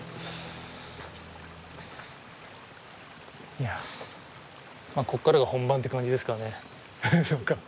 いやここからが本番って感じですかね。